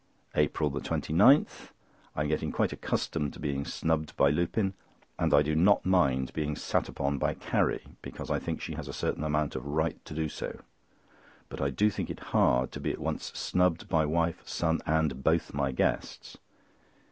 APRIL 29.—I am getting quite accustomed to being snubbed by Lupin, and I do not mind being sat upon by Carrie, because I think she has a certain amount of right to do so; but I do think it hard to be at once snubbed by wife, son, and both my guests.